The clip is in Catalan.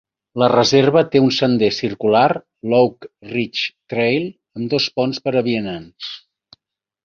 La reserva té un sender circular, l'Oak Ridge Trail, amb dos ponts per a vianants.